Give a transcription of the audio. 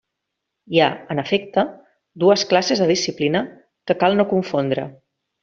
Hi ha, en efecte, dues classes de disciplina que cal no confondre.